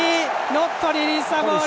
ノットリリースザボール。